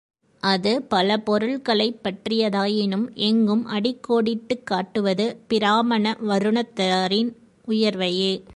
அது பல பொருள்களைப் பற்றியதாயினும் எங்கும் அடிக்கோடிட்டுக் காட்டுவது பிராமண வருணத்தாரின் உயர்வையே.